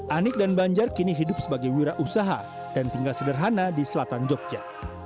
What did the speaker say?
anik dan banjar kini hidup sebagai wira usaha dan tinggal sederhana di selatan jogja